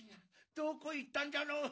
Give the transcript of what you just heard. どこ行ったんじゃろう？